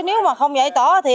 nếu mà không giải tỏa thì